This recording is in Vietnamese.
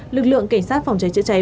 lực lượng cảnh sát phòng cháy chữa cháy